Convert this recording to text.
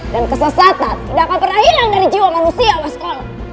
dan kesesatan tidak akan pernah hilang dari jiwa manusia askol